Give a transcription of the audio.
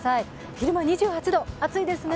昼も２８度、暑いですね。